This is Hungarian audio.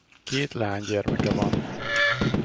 Két leánygyermeke van.